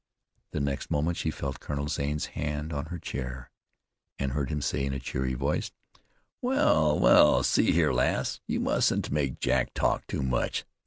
The next moment she felt Colonel Zane's hand on her chair, and heard him say in a cheery voice: "Well, well, see here, lass, you mustn't make Jack talk too much.